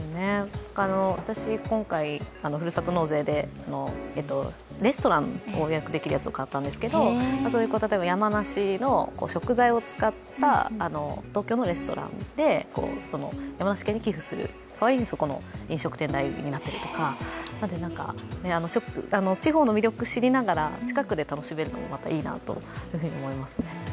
私、今回ふるさと納税でレストランを予約できるやつを買ったんですけど山梨の食材を使った東京のレストランで、山梨県に寄付する代わりに、そこの飲食店代を担うとか地方の魅力を知りながら、近くで楽しめるのもまたいいなと思いますね。